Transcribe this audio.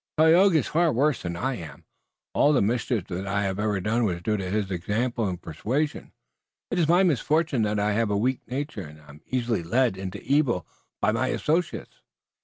"Tayoga is far worse than I am. All the mischief that I have ever done was due to his example and persuasion. It is my misfortune that I have a weak nature, and I am easily led into evil by my associates."